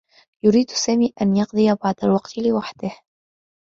يريد سامي أن يقضي بعض الوقت لوحده.